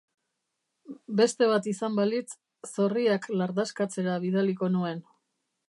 Beste bat izan balitz, zorriak lardaskatzera bidaliko nuen.